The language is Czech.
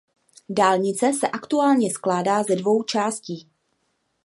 Dálnice se aktuálně skládá ze dvou částí.